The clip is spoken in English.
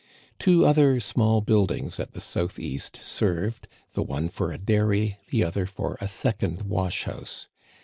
Two other small buildings at the southeast served, the one for a dairy, the other for a second wash house.